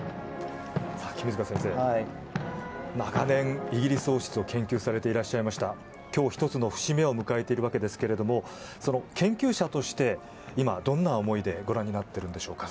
君塚先生、長年イギリス王室を研究されていらっしゃいました。今日、１つの節目を迎えているわけですがその研究者として今どんな思いでご覧になっていますか。